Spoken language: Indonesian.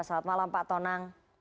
selamat malam pak tonang